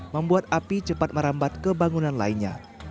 membuat api cepat merambat ke bangunan lainnya